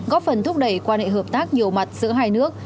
góp phần thúc đẩy quan hệ hợp tác nhiều mặt giữa hai nước